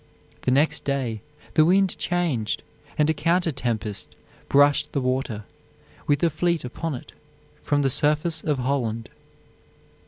The next day the wind changed, and a counter tempest brushed the water, with the fleet upon it, from the surface of Holland.